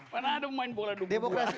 mana ada yang main bola bola